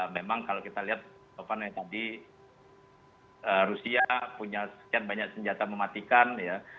memang kalau kita lihat tadi rusia punya sekian banyak senjata mematikan ya